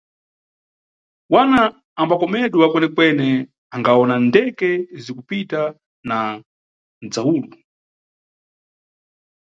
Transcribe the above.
Wana ambakomedwa kwenekwene angawona ndeke zikupita na nʼdzawulu.